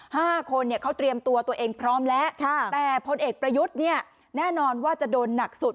ห้าคนเนี่ยเขาเตรียมตัวตัวเองพร้อมแล้วค่ะแต่พลเอกประยุทธ์เนี่ยแน่นอนว่าจะโดนหนักสุด